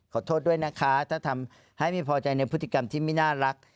ขอโทษด้วยนะคะถ้าทำให้ไม่พอใจในพฤติกรรมที่ไม่น่ารัก